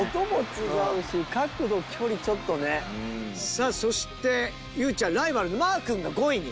さあそして佑ちゃんライバルのマー君が５位に。